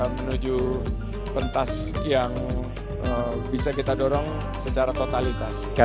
menuju pentas yang bisa kita dorong secara totalitas